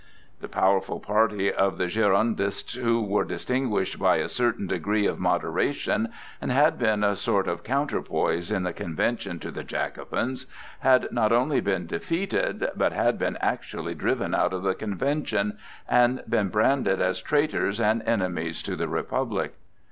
The powerful party of the Girondists, who were distinguished by a certain degree of moderation and had been a sort of counterpoise in the Convention to the Jacobins, had not only been defeated, but had been actually driven out of the Convention and been branded as traitors and enemies to the Republic.